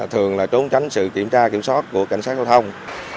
thường là trốn tránh sự kiểm tra kiểm soát của cảnh sát giao thông